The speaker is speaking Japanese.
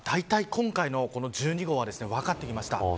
今回の１２号は分かってきました。